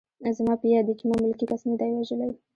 زما په یاد دي چې ما ملکي کس نه دی وژلی